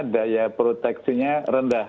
daya proteksinya rendah